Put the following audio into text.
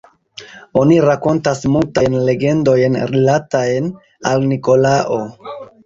Oni rakontas multajn legendojn rilatajn al Nikolao.